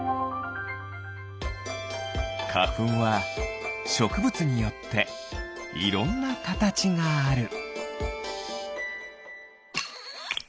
かふんはしょくぶつによっていろんなカタチがある。